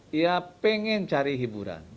dia pengen cari hiburan